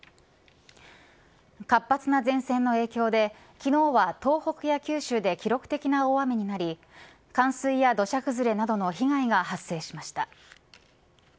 活発な前線の影響で昨日は、東北や九州で記録的な大雨になり冠水や土砂崩れなどの被害が発生しました。